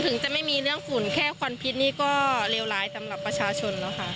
ถึงจะไม่มีเรื่องฝุ่นแค่ควันพิษนี่ก็เลวร้ายสำหรับประชาชนแล้วค่ะ